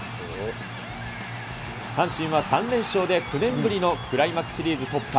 阪神は３連勝で９年ぶりのクライマックスシリーズ突破。